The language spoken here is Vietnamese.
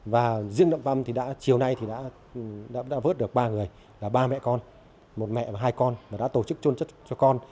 và riêng nậm păm thì chiều nay đã vớt được ba người là ba mẹ con một mẹ và hai con đã tổ chức trôn cho con